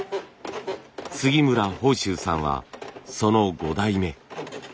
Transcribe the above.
杉村峰秀さんはその５代目。